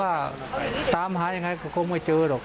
สองสามีภรรยาคู่นี้มีอาชีพ